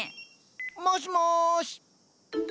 もしもし。